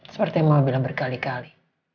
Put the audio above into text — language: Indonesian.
seperti yang mau bilang berkali kali